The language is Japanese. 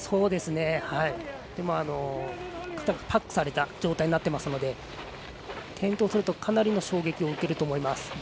でも、かたくパックされた状態になっていますので転倒するとかなりの衝撃を受けると思います。